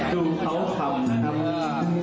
ดูเขาเผาทั้งคู่